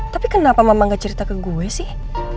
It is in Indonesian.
tapi kenapa mama gak cerita ke gue sih